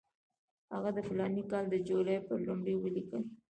هغه د فلاني کال د جولای پر لومړۍ ولیکل.